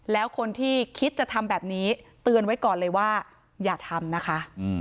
แล้วคนที่คิดจะทำแบบนี้เตือนไว้ก่อนเลยว่าอย่าทำนะคะ